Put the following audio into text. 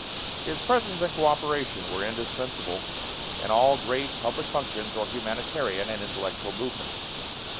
His presence and co operation were indispensable in all great public functions or humanitarian and intellectual movements.